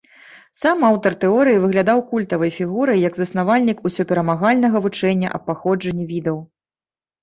Сам аўтар тэорыі выглядаў культавай фігурай, як заснавальнік ўсёперамагальнага вучэння аб паходжанні відаў.